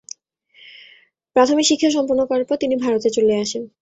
প্রাথমিক শিক্ষা সম্পন্ন করার পর তিনি ভারতে চলে আসেন।